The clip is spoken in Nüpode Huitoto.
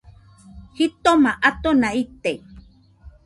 Jitoma atona ite